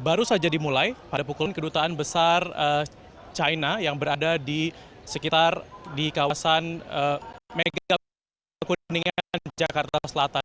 baru saja dimulai pada pukul kedutaan besar china yang berada di sekitar di kawasan mega kuningan jakarta selatan